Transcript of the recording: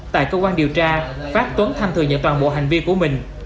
tại cơ quan điều tra phát tuấn thanh thừa nhận toàn bộ hành vi của mình